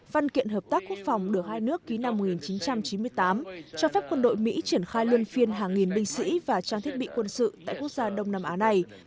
đồng đường hai nước ký năm một nghìn chín trăm chín mươi tám cho phép quân đội mỹ triển khai liên phiên hàng nghìn binh sĩ và trang thiết bị quân sự tại quốc gia đông nam á này